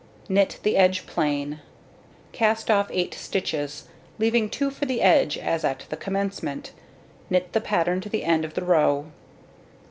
Knit the edge plain. Cast off 8 stitches, leaving 2 for the edge as at the commencement. Knit the pattern to the end of the row.